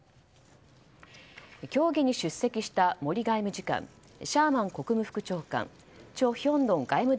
協議に出席した森外務次官シャーマン国務副長官チョ・ヒョンドン外務